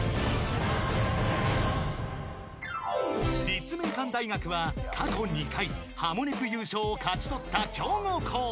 ［立命館大学は過去２回『ハモネプ』優勝を勝ち取った強豪校］